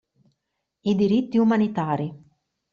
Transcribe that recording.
I diritti umanitari.